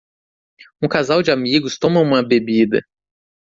Um casal de amigos toma uma bebida